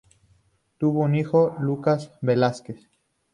Tuvo un hijo, Lukas Velasquez.